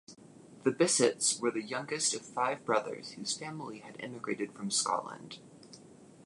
The Bisset's were the youngest of five brothers whose family had emigrated from Scotland.